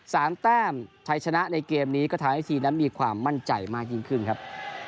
แต้มชัยชนะในเกมนี้ก็ทำให้ทีมนั้นมีความมั่นใจมากยิ่งขึ้นครับ